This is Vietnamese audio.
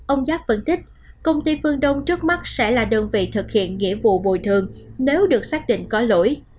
ông giáp phân tích công ty phương đông trước mắt sẽ là đơn vị thực hiện nghĩa vụ bồi thường nếu được xác định có lỗi